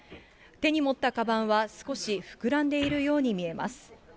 手に持ったかばんは少し膨らんでいるように見えます。